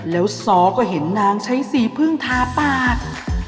แล้วซ้อก็เห็นนางใช้สีพึ่งทาปาก